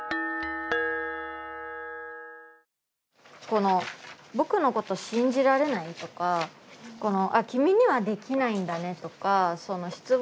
この「僕のこと信じられない？」とかこの「君にはできないんだね」とか「失望したよ」って